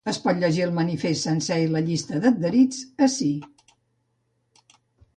Es pot llegir el manifest sencer i la llista d’adherits ací.